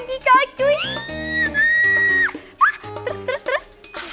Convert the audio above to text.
ah terus terus terus